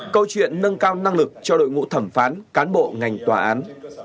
câu chuyện nâng cao năng lực cho đội ngũ thẩm phán cán bộ ngành tòa án